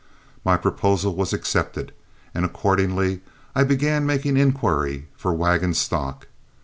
My proposal was accepted, and accordingly I began making inquiry for wagon stock.